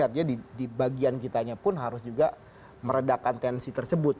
artinya di bagian kitanya pun harus juga meredakan tensi tersebut